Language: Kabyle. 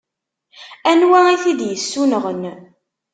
Anwa i t-id-yessunɣen?